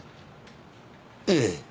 ええ。